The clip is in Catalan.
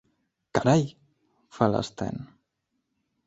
Carai! —fa l'Sten.